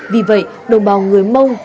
vì vậy đồng bào người mông